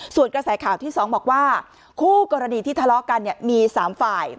ส่วนกระแสข่าวที่๒บอกว่าคู่กรณีที่ทะเลาะกันมี๓ฝ่าย